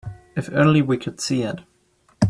If only we could see it.